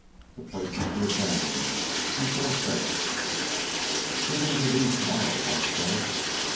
The place must be abandoned and so safe. "We'll be in Cadiz tomorrow," Hart said.